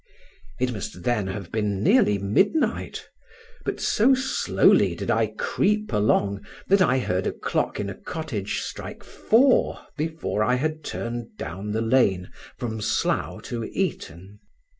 It must then have been nearly midnight, but so slowly did I creep along that I heard a clock in a cottage strike four before I turned down the lane from Slough to Eton.